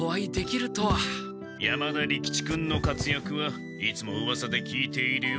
山田利吉君のかつやくはいつもうわさで聞いているよ。